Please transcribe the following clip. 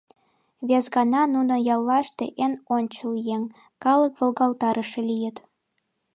Вес гана нуно яллаште эн ончыл еҥ, калык волгалтарыше лийыт.